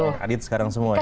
adit sekarang semua ya